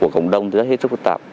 cộng đồng rất phức tạp